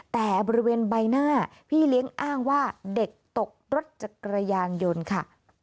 แต่บริเวณใบหน้าพี่เลี้ยงอ้างว่าเด็กตกรถจักรยานยนต์ค่ะ